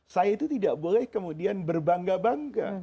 saya itu tidak boleh kemudian berbangga bangga